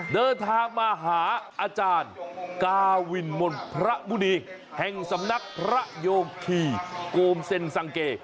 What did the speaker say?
เดินทางมาหาอาจารย์กาวินมลพระมุณีแห่งสำนักพระโยคีโกมเซ็นสังเก